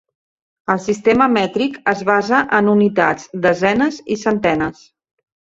El sistema mètric es basa en unitats, desenes i centenes.